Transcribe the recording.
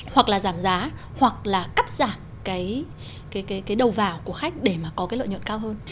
hoặc là giảm giá hoặc là cắt giảm cái đầu vào của khách để mà có cái lợi nhuận cao hơn